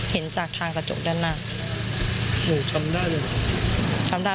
เห็นจากทางกระจกด้านหน้าเชิญได้เลยเชิญได้